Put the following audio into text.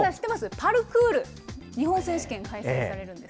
パルクール、日本選手権が開催されるんです。